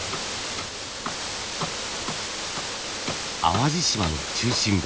淡路島の中心部